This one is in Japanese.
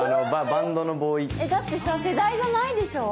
だってさ世代じゃないでしょう。